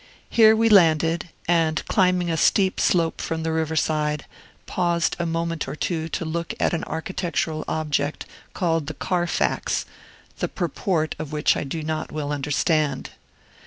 Here we landed, and, climbing a steep slope from the river side, paused a moment or two to look at an architectural object, called the Carfax, the purport of which I do not well understand.